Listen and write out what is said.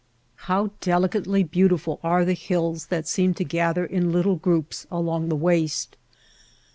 How delicately beautiful are the hills that seem to gather in little groups along the waste !